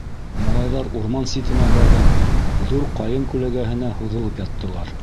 Малайҙар урман ситенә барып, ҙур ҡайын күләгәһенә һуҙылып яттылар.